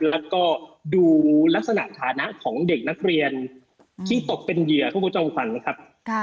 แล้วก็ดูลักษณะฐานะของเด็กนักเรียนที่ตกเป็นเหยื่อทุกคุณจอมขวัญนะครับ